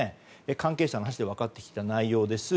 関係者の話で分かってきた内容です。